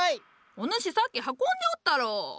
お主さっき運んでおったろう。